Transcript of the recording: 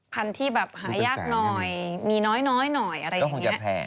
พันธุ์ที่แบบหายากหน่อยมีน้อยหน่อยอะไรอย่างนี้